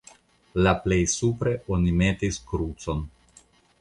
La plej supre oni metis krucon.